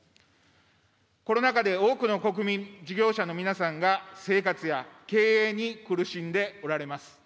コロナ禍で多くの国民、事業者の皆さんが生活や経営に苦しんでおられます。